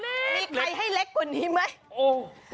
มีใครให้เล็กกว่านี้ไหม